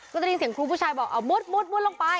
ก็ได้ยินเสียงครูผู้ชายบอกเอามุดลงไป